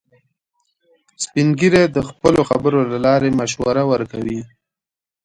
سپین ږیری د خپلو خبرو له لارې مشوره ورکوي